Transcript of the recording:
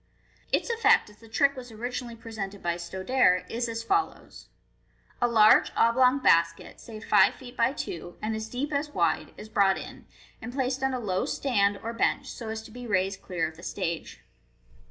Its effect, as the trick was originally presented by Stodare, is as follows :— A large oblong basket, say five fe°t by two, and as deep as wide, is brought in, and placed on a low stand or bench, so as to be raised clear of the stage.